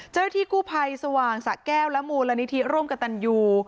เจ้าหน้าที่กู้ภัยสว่างสะแก้วและมูลนิธิร่วมกับตันยู